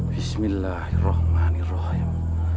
bismillahi rahmanir rahim